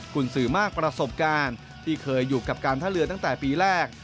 คุณสื่อมากประสบการณ์ที่เคยอยู่กับการท่าเรือตั้งแต่ปีแรก